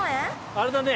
あれだね。